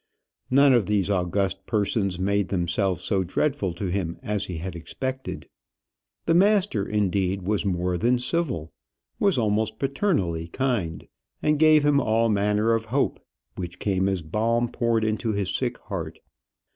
None of these august persons made themselves so dreadful to him as he had expected. The master, indeed, was more than civil was almost paternally kind, and gave him all manner of hope, which came as balm poured into his sick heart.